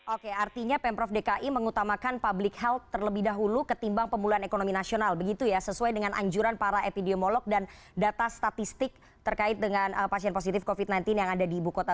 oke artinya pemprov dki mengutamakan public health terlebih dahulu ketimbang pemulihan ekonomi nasional begitu ya sesuai dengan anjuran para epidemiolog dan data statistik terkait dengan pasien positif covid sembilan belas yang ada di ibu kota